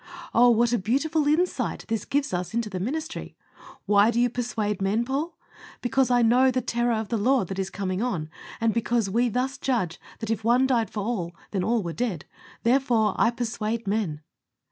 Oh! what a beautiful insight this gives us into the ministry. Why do you persuade men, Paul? "Because I know the terror of the Lord that is coming on, and because we thus judge that, if One died for all, then were all dead. Therefore, I persuade men."